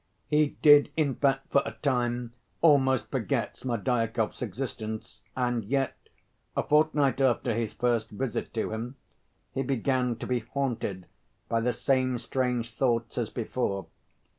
He did, in fact, for a time almost forget Smerdyakov's existence, and yet, a fortnight after his first visit to him, he began to be haunted by the same strange thoughts as before.